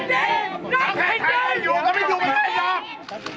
ในวัดนะครับเค้าขออนุญาต